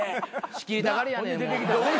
仕切りたがりやねん。